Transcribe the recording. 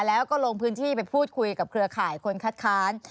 แล้วก็ลงพื้นที่ไปพูดคุยกับเครือข่ายคนคัดค้าน